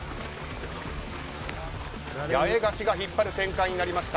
八重樫が引っ張る展開になりました。